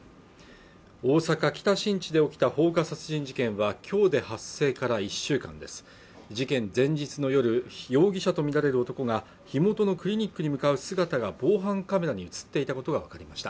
大阪北新地で起きた放火殺人事件はきょうで発生から１週間です事件前日の夜容疑者とみられる男が火元のクリニックに向かう姿が防犯カメラに映っていたことが分かりました